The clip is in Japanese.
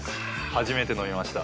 初めて飲みました。